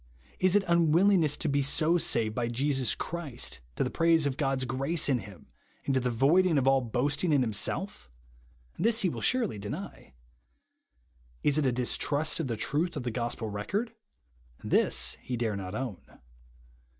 Is it un willingness to be so saved by Jesus Christ, to the praise of God's grace in him, and to the voiding of all boasting in himself? This he will surely deny. Is it a distrust of the truth of the gospel record ? This he dare not own.